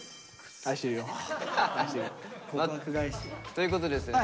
ということでですね